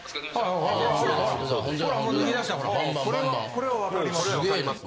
これはわかります。